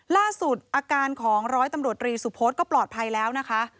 ล่าสุดอาการของร้อยตำรวจรีสุพธก็ปลอดภัยแล้วนะคะ